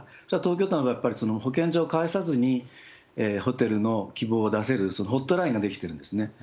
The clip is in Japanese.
それが東京都の場合は、保健所を介さずにホテルの希望を出せるそのホットラインが出来てるんですね。